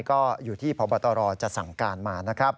ก็อยู่ที่พบตรจะสั่งการมานะครับ